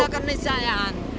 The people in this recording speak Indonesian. percaya pada pernihayaan